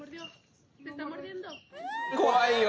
怖いよ！